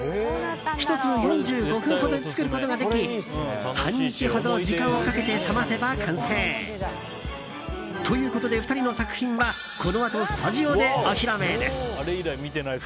１つ４５分ほどで作ることができ半日ほど時間をかけて冷ませば完成。ということで２人の作品はこのあとスタジオでお披露目です。